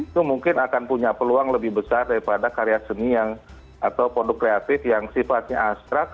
itu mungkin akan punya peluang lebih besar daripada karya seni atau produk kreatif yang sifatnya astrak